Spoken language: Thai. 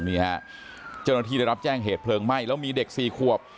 นี่ฮะเจ้าหน้าที่ได้รับแจ้งเหตุเพลิงไหม้แล้วมีเด็กสี่ขวบ